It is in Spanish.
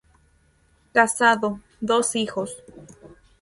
Casado, dos hijos.